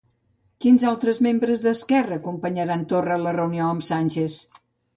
Quins altres membres d'Esquerra acompanyaran Torra a la reunió amb Sánchez?